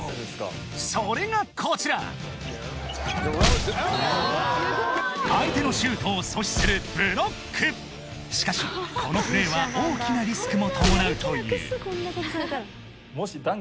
それがこちら相手のシュートを阻止するブロックしかしこのプレーは大きなリスクも伴うというもし。